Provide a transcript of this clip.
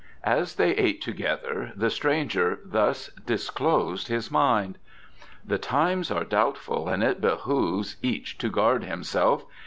As they ate together the stranger thus disclosed his mind: "The times are doubtful and it behoves each to guard himself.